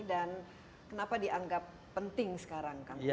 dan kenapa dianggap penting sekarang